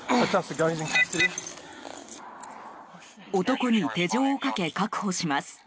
男に手錠をかけ、確保します。